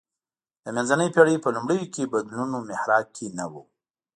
د منځنۍ پېړۍ په لومړیو کې بدلونونو محراق کې نه و